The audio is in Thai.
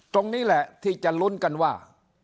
ตรงนี้แหละที่จะลุ้นกันว่า